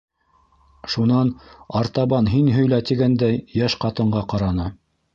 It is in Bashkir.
Шунан «артабан һин һөйлә» тигәндәй, йәш ҡатынға ҡараны.